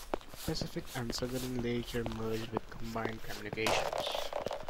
Pacific and Southern later merged with Combined Communications.